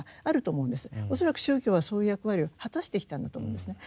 恐らく宗教はそういう役割を果たしてきたんだと思うんですね。